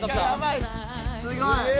すごい！